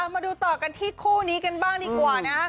มาดูต่อกันที่คู่นี้กันบ้างดีกว่านะฮะ